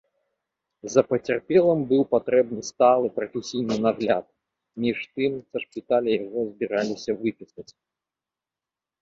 За пацярпелым быў патрэбны сталы прафесійны нагляд, між тым са шпіталя яго збіраліся выпісаць.